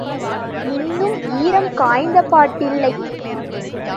இன்னும் ஈரம் காய்ந்தபாடில்லை.